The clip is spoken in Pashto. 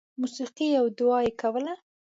• موسیقي او دعا یې کوله.